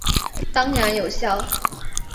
当然有效！